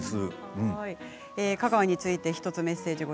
香川について１つメッセージです。